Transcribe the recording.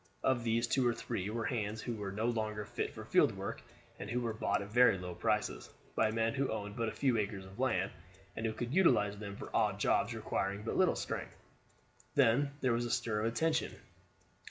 Of these two or three were hands who were no longer fit for field work, and who were bought at very low prices by men who owned but a few acres of land, and who could utilize them for odd jobs requiring but little strength. Then there was a stir of attention.